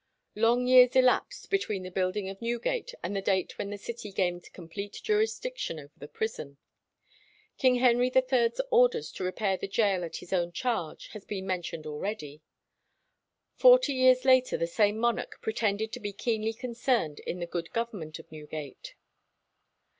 Long years elapsed between the building of Newgate and the date when the city gained complete jurisdiction over the prison. King Henry III's orders to repair the gaol at his own charge has been mentioned already. Forty years later the same monarch pretended to be keenly concerned in the good government of Newgate.